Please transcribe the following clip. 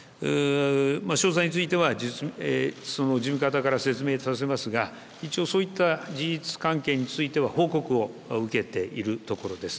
詳細については事務方から説明させますがそういう事実関係については報告を受けているところです。